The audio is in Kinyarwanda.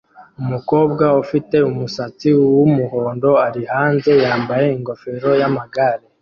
Umukobwa ufite umusatsi wumuhondo ari hanze yambaye ingofero yamagare